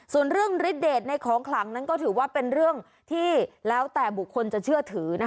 ส่วนเรื่องฤทธเดทในของขลังนั้นก็ถือว่าเป็นเรื่องที่แล้วแต่บุคคลจะเชื่อถือ